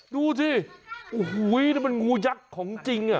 ดูสิโอ้โหนี่มันงูยักษ์ของจริงอ่ะ